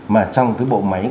mà trong cái bộ máy